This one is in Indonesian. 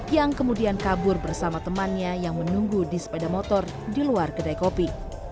yang kemudian kabur bersama temannya yang menunggu di sepeda motor di luar kedai kopi